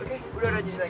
oke udah udah nyusih lagi